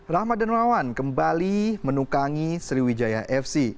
rahmat darbawan kembali menukangi sriwijaya fc